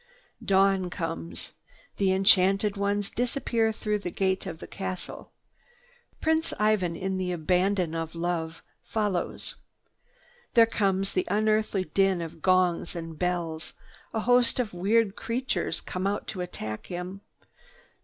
Dawn comes. The enchanted ones disappear through the gate of the castle. Prince Ivan, in the abandon of love, follows. There comes the unearthly din of gongs and bells. A host of weird creatures come out to attack him.